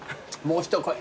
もう一声。